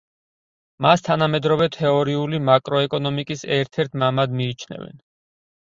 მას თანამედროვე თეორიული მაკროეკონომიკის ერთ-ერთ მამად მიიჩნევენ.